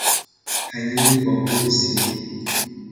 پنیری با بوی سیر